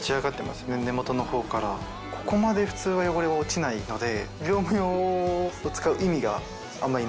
ここまで普通は汚れは落ちないので。